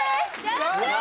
やったー！